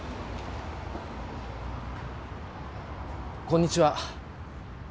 こんにちは。